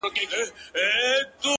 o ستا د تن سايه مي په وجود كي ده،